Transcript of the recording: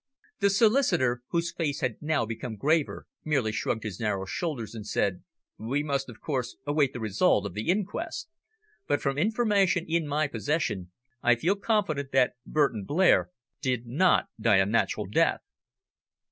The solicitor, whose face had now become graver, merely shrugged his narrow shoulders, and said "We must, of course, await the result of the inquest, but from information in my possession I feel confident that Burton Blair did not die a natural death."